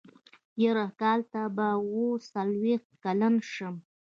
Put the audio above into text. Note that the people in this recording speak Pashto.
يره کال ته به اوه څلوېښت کلن شم.